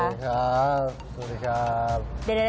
สวัสดีครับสวัสดีครับ